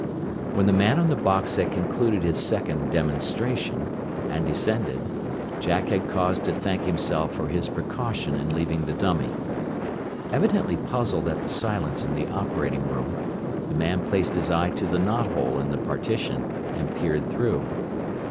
When the man on the box had concluded his second "demonstration," and descended, Jack had cause to thank himself for his precaution in leaving the dummy. Evidently puzzled at the silence in the operating room, the man placed his eye to the knot hole in the partition, and peered through.